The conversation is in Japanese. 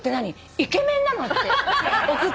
イケメンなの？って送ったのよ。